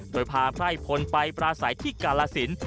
โดยพาไพร่พลไปปราศัยที่กาลสิน